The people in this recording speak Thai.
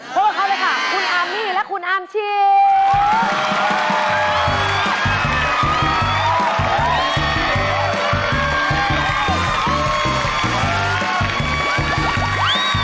พบกับเขาเลยค่ะคุณอาร์มี่และคุณอาร์